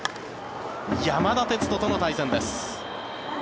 山田哲人との対戦です。